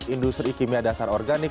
industri kimia dasar organik